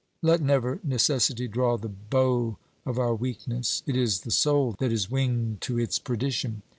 let never Necessity draw the bow of our weakness: it is the soul that is winged to its perdition.